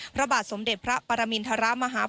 พระบาทสมเด็จพระปรมินทรมาฮา